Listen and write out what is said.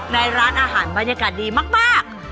ในร้านอาหารบรรยากาศดีมาก